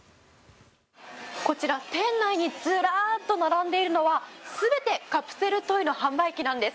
こちら、店内にずらっと並んでいるのは全てカプセルトイの販売機なんです。